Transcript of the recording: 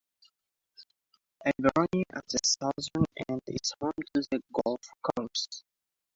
Alberoni at the southern end is home to the golf course.